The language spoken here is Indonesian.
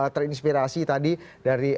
terinspirasi tadi dari